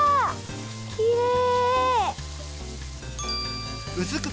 きれい！